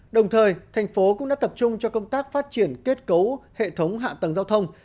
đồng thời thành phố cũng đã tập trung cho công tác phát triển kết cấu hệ thống hạ tầng giao thông